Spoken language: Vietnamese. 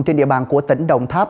trên địa bàn của tỉnh đồng tháp